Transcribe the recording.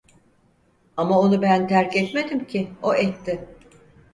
Ama onu ben terk etmedim ki, o etti.